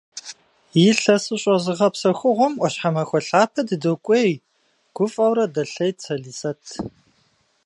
Илъэсыщӏэ зыгъэпсэхугъуэм ӏуащхьэмахуэ лъапэ дыдокӏуей, - гуфӏэурэ дэлъейт Сэлисэт.